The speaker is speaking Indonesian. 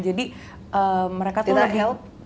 jadi mereka tuh lagi